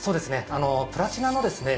あのプラチナのですね